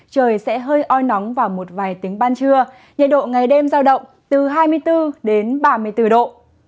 trời sẽ hơi oi nóng vào một vài tiếng ban trưa nhiệt độ ngày đêm giao động từ hai mươi bốn đến ba mươi bốn độ